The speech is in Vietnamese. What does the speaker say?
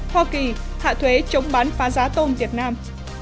hoa kỳ hạ thuế chống bán phá giá tôm việt nam